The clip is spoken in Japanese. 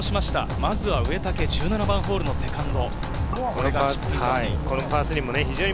まずは１７番ホールのセカンド。